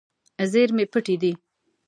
زیرمې پټې دي.